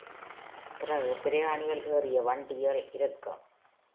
பிறகு பிரயாணிகள் ஏறிய வண்டிகள் இருக்கும்.